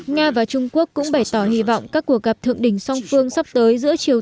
nga và trung quốc cũng bày tỏ hy vọng các cuộc gặp thượng đỉnh song phương sắp tới giữa triều